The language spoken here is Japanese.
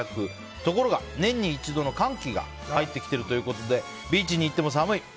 ところが年に一度の寒気が入ってきているということでビーチに行っても寒い。